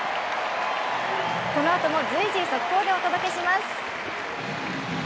このあとも随時、速報でお届けします。